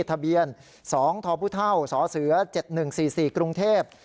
ทะเบียน๒ทพุท่าวสเส๗๑๔๔กรุงเทพฯ